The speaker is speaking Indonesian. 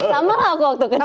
sama lah waktu kecil